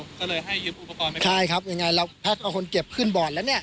เขาเลยให้ยืนอุปกรณ์ใช่ครับยังไงเราแพทย์กับคนเจ็บขึ้นบ่อนแล้วเนี่ย